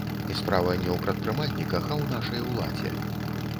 І справа не ў прадпрымальніках, а ў нашай уладзе.